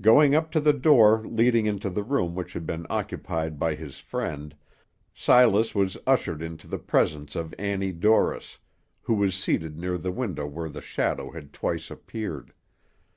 Going up to the door leading into the room which had been occupied by his friend, Silas was ushered into the presence of Annie Dorris, who was seated near the window where the shadow had twice appeared.